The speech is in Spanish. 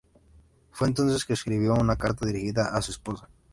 Fue entonces que escribió una carta dirigida a su esposa.